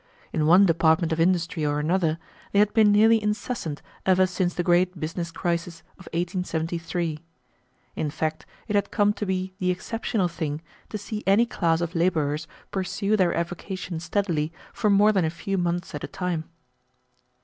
In one department of industry or another, they had been nearly incessant ever since the great business crisis of 1873. In fact it had come to be the exceptional thing to see any class of laborers pursue their avocation steadily for more than a few months at a time.